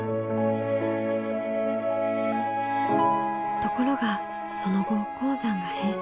ところがその後鉱山が閉鎖。